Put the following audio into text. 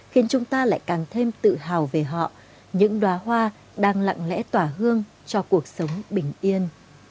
khiến chúng ta lại càng thêm tự hào về họ những đoá hoa đang lặng lẽ tỏa hương cho cuộc sống bình yên